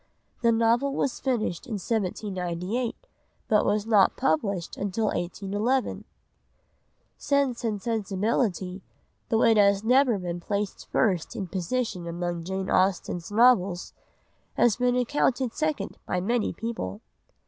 The novel was finished in 1798 but not published until 1811. Sense and Sensibility, though it has never been placed first in position among Jane Austen's novels, has been accounted second by many people.